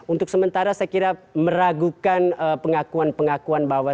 untuk sementara saya kira meragukan pengakuan pengakuan bahwa